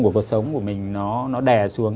của cuộc sống của mình nó đè xuống